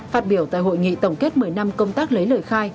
phát biểu tại hội nghị tổng kết một mươi năm công tác lấy lời khai